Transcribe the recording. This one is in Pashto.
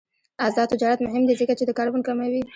آزاد تجارت مهم دی ځکه چې د کاربن کموي.